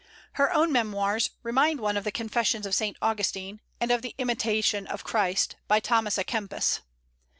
Her own Memoirs remind one of the "Confessions of Saint Augustine," and of the "Imitation of Christ," by Thomas à Kempis.